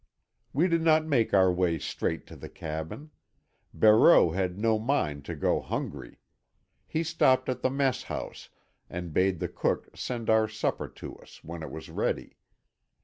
We did not make our way straight to the cabin. Barreau had no mind to go hungry. He stopped at the mess house and bade the cook send our supper to us, when it was ready.